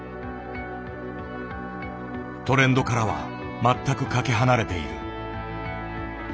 トレンドからは全くかけ離れている。